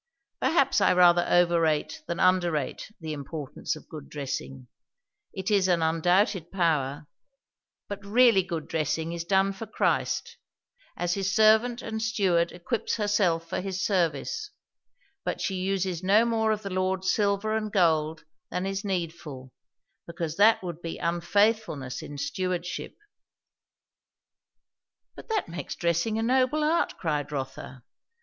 Perhaps I rather overrate than underrate the importance of good dressing; it is an undoubted power; but really good dressing is done for Christ, as his servant and steward equips herself for his service; but she uses no more of the Lord's silver and gold than is needful, because that would be unfaithfulness in stewardship." "But that makes dressing a noble art!" cried Rotha.